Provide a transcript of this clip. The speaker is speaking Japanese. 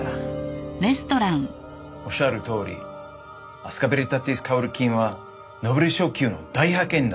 おっしゃるとおりアスカベリタティスカオル菌はノーベル賞級の大発見だ。